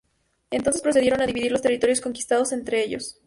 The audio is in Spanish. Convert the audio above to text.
Entonces procedieron a dividir los territorios conquistados entre ellos.